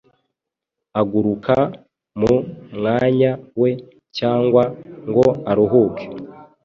Aguruka mu mwanya we, cyangwa ngo aruhuke